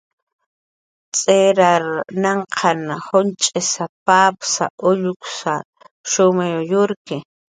Tz'irar nanq'an junch'i, papa, ulluku shumay yurayki